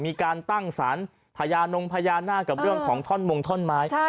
มีการตั้งสารพญานงพญานาคกับเรื่องของท่อนมงท่อนไม้